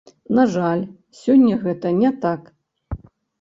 На жаль, сёння гэта не так.